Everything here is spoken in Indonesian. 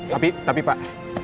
tapi tapi pak